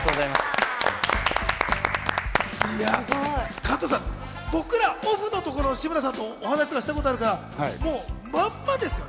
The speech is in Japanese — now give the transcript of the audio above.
加藤さん、僕ら、オフの時の志村さんとお話したことあるから、まんまですよね。